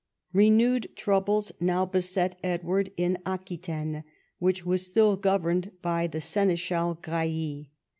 Renewed troubles now beset Edward in Aquitaine, which was still governed by the seneschal Grailly.